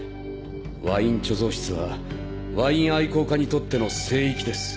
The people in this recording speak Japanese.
ワイン貯蔵室はワイン愛好家にとっての聖域です。